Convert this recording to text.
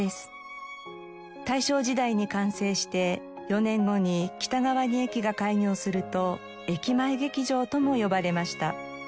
大正時代に完成して４年後に北側に駅が開業すると駅前劇場とも呼ばれました。